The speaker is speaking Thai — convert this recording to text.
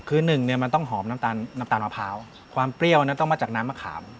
คือหนึ่งเนี่ยมันต้องหอมน้ำตาลมะพร้าวความเปรี้ยวนั้นต้องมาจากน้ำมะขาม